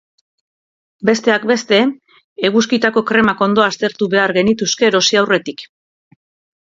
Besteak beste, eguzkitako kremak ondo aztertu behar genituzke erosi aurretik.